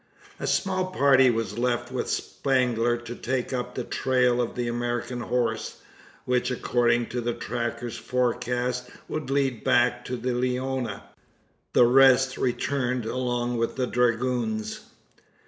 A small party was left with Spangler to take up the trail of the American horse, which according to the tracker's forecast would lead back to the Leona. The rest returned along with the dragoons.